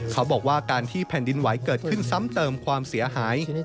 เขาบอกว่าการที่แผ่นดินไหวเกิดขึ้นซ้ำเติมความเสียหาย